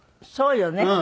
そうよね。